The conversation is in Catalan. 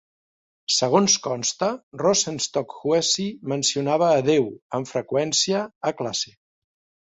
Segons consta, Rosenstock-Huessy mencionava a Déu, amb freqüència, a classe.